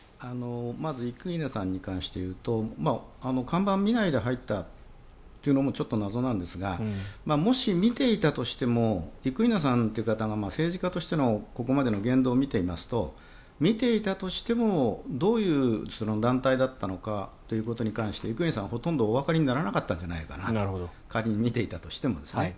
まず生稲さんに関して言うと看板を見ないで入ったというのもちょっと謎なんですがもし、見ていたとしても生稲さんという方が政治家としてのここまでの言動を見ていますと見ていたとしてもどういう団体だったのかということに関して生稲さんはほとんどおわかりにならなかったんじゃないかなと仮に見ていたとしてもですね。